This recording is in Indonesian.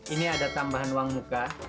ini ada tambahan uang muka